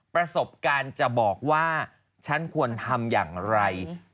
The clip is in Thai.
ประสบการณ์จะบอกว่าฉันควรทำอย่างไร